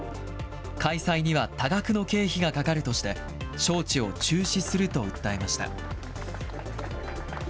開催には多額の経費がかかるとして、招致を中止すると訴えました。